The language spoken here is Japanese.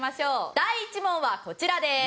第１問はこちらです。